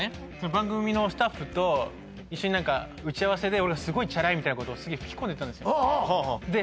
番組のスタッフと一緒に打ち合わせで俺すごいチャラいみたいなことをすげえ吹き込んでたんですよで